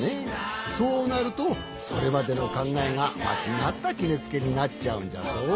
そうなるとそれまでのかんがえがまちがったきめつけになっちゃうんじゃぞ。